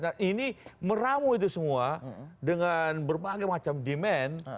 dan ini meramu itu semua dengan berbagai macam demand